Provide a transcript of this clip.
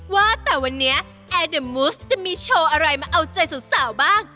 ว่าแต่วันนี้แอร์เดอร์มูสจะมีโชว์อะไรมาเอาใจสาวบ้าง